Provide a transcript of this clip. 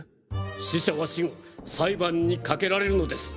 死者は死後裁判にかけられるのです。